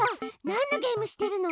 なんのゲームしてるの？